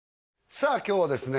さあ今日はですね